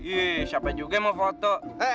ih siapa juga yang mau foto